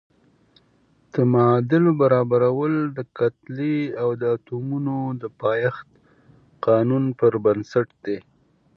د معادلو برابرول د کتلې او اتومونو د پایښت قانون پر بنسټ دي.